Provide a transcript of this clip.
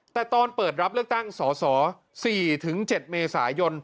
แต่ตอนเปิดรับเลือกตั้งสส๔๗เมษายน